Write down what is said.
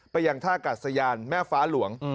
เป็นยังกัสยานแม่ฟ้าหลวง